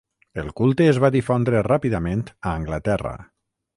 El culte es va difondre ràpidament a Anglaterra.